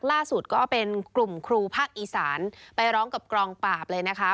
ล่าสุดก็เป็นกลุ่มครูภาคอีสานไปร้องกับกองปราบเลยนะคะ